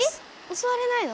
襲われないの？